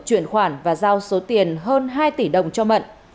chuyển khoản và giao số tiền hơn hai tỷ đồng cho mận